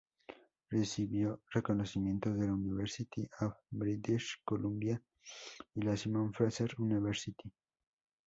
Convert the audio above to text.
Recibió reconocimientos de la University of British Columbia y la Simon Fraser University.